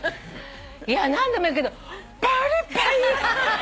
いや何度も言うけどパリパリ。